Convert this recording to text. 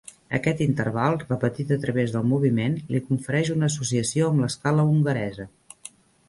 Aquest interval, repetit a través del moviment, li confereix una associació amb l'escala hongaresa.